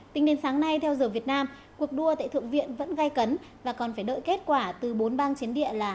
tính đến sáng nay theo giờ việt nam cuộc đua tại thượng viện vẫn gây cấn và còn phải đợi kết quả từ bốn bang chiến địa là